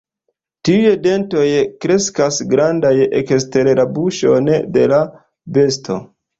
Tiuj dentoj kreskas grandaj, ekster la buŝon de la besto.